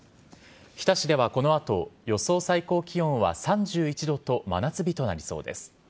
日田市ではこのあと、予想最高気温は３１度と真夏日となりそうです。